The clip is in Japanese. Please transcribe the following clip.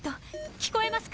聞こえますか？